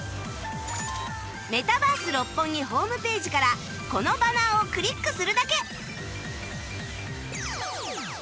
メタバース六本木ホームページからこのバナーをクリックするだけ